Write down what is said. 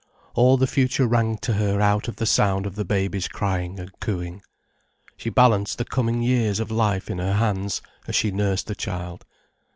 All the future rang to her out of the sound of the baby's crying and cooing, she balanced the coming years of life in her hands, as she nursed the child.